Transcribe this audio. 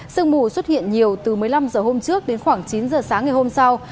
sương mù xuất hiện nhiều từ một mươi năm h hôm trước đến khoảng chín giờ sáng ngày hôm sau